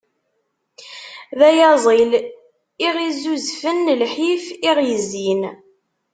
D ayaẓil i ɣ-izzuzfen lḥif, i ɣ-izzin.